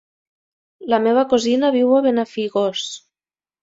La meva cosina viu a Benafigos.